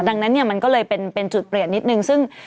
ดังนั้นเนี่ยมันก็เลยเป็นจุดเปลี่ยนนิดนึงซึ่ง